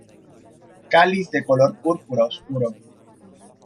Cáliz de color púrpura oscuro.